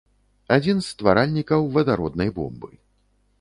Адзін з стваральнікаў вадароднай бомбы.